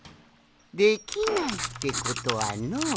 できないってことはのう。